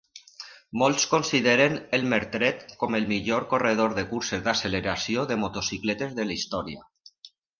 Molts consideren Elmer Trett com el millor corredor de curses d'acceleració de motocicletes de la història.